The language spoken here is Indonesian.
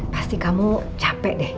pasti kamu capek deh